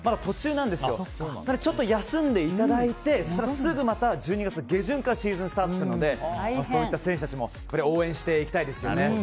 なのでちょっと休んでいただいてすぐまた１２月下旬からシーズンがスタートするのでそういった選手たちも応援していきたいですよね。